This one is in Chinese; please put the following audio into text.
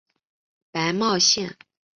白茂线